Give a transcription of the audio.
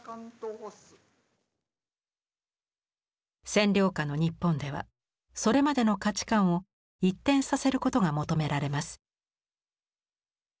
占領下の日本ではそれまでの価値観を一転させることが求められます。